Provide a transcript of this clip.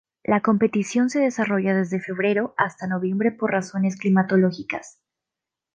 La competición se desarrolla desde febrero hasta noviembre por razones climatológicas.